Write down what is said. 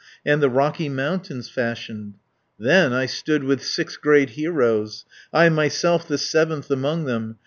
And the rocky mountains fashioned. "Then I stood with six great heroes! I myself the seventh among them.